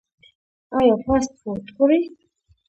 ایا فاسټ فوډ خورئ؟